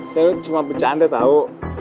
saya cuma bercanda tahu